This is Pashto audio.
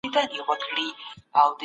ځينو پردیو لیکنو ناسم انځور ورکړ